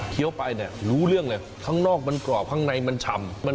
ไปเนี่ยรู้เรื่องเลยข้างนอกมันกรอบข้างในมันฉ่ำ